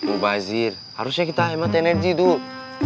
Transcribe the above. mubazir harusnya kita hemat energi dulu